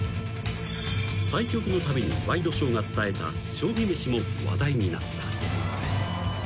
［対局のたびにワイドショーが伝えた将棋めしも話題になった］